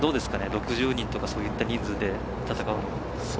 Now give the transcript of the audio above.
６０人とかそういった人数で戦うのは。